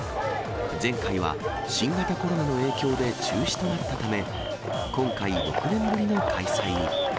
前回は新型コロナの影響で中止となったため、今回、６年ぶりの開催に。